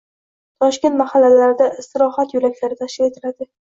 Toshkent mahallalarida istirohat yo‘laklari tashkil etiladi